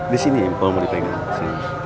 di sini paul mau dipegang